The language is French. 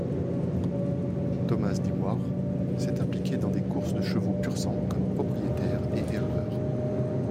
Thomas Dewar s'est impliqué dans des courses de chevaux pur-sang comme propriétaire et éleveur.